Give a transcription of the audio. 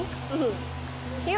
aku ke bank tuh baru